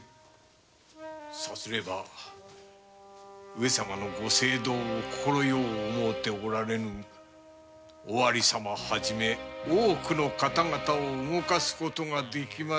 さすれば上様のご政道を快く思うておられぬ尾張様を初め多くの方々を動かす事ができましょうからな。